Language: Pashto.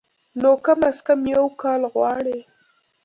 نو کم از کم يو کال غواړي